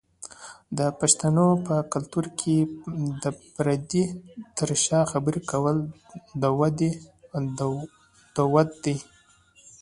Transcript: د پښتنو په کلتور کې د پردې تر شا خبری کول دود دی.